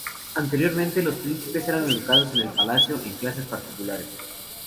Anteriormente, los príncipes eran educados en el palacio en clases particulares.